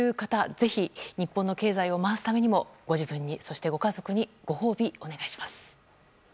ぜひ、日本の経済を回すためにもご自分に、そしてご家族にご褒美お願いします。